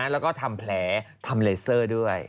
แล้วก็ทำแผลทำเลเซอร์ด้วย